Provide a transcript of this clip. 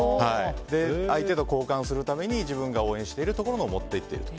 相手と交換するために自分が応援しているところのを持って行っていると。